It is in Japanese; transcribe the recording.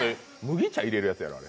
麦茶入れるやつやろ、あれ。